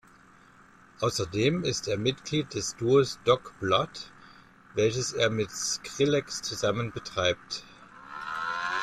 Außerdem ist er Mitglied des Duos "Dog Blood", welches er mit Skrillex zusammen betreibt.